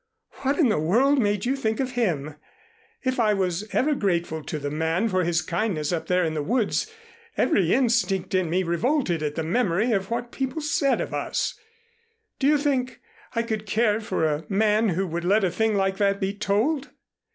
"What in the world made you think of him? If I was ever grateful to the man for his kindness up there in the woods, every instinct in me revolted at the memory of what people said of us. Do you think I could care for a man who would let a thing like that be told?"